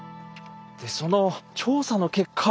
でその調査の結果